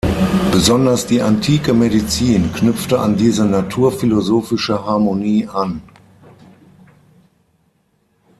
Besonders die antike Medizin knüpfte an diese naturphilosophische Harmonie an.